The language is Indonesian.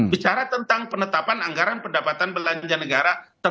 bicara tentang penetapan anggaran pendapatan belanja negara